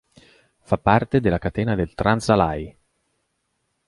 Fa parte della catena del Trans-Alaj.